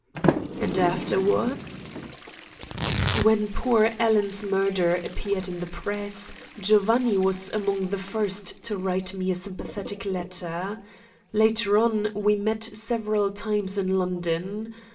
"And afterwards?" "When poor Alan's murder appeared in the press, Giovanni was among the first to write me a sympathetic letter. Later on we met several times in London.